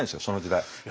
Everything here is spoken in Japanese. その時代。